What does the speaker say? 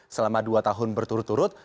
selama dua tahun berturut turut